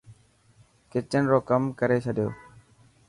ڪچن رو ڪم ڪري ڇڏيو.